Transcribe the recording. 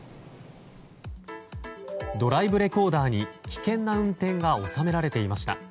ドライブレコーダーに危険な運転が収められていました。